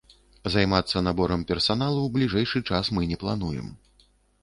Займацца наборам персаналу ў бліжэйшы час мы не плануем.